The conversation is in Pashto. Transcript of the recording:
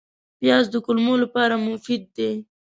پیاز د کولمو لپاره مفید دی